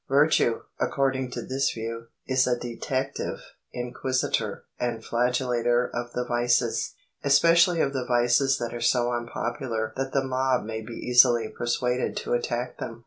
Virtue, according to this view, is a detective, inquisitor, and flagellator of the vices especially of the vices that are so unpopular that the mob may be easily persuaded to attack them.